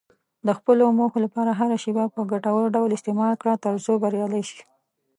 د خپلو موخو لپاره هره شېبه په ګټور ډول استعمال کړه، ترڅو بریالی شې.